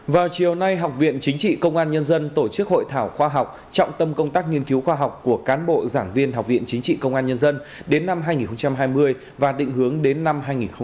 vào chiều nay học viện chính trị công an nhân dân tổ chức hội thảo khoa học trọng tâm công tác nghiên cứu khoa học của cán bộ giảng viên học viện chính trị công an nhân dân đến năm hai nghìn hai mươi và định hướng đến năm hai nghìn ba mươi